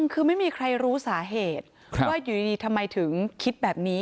คือไม่มีใครรู้สาเหตุว่าอยู่ดีทำไมถึงคิดแบบนี้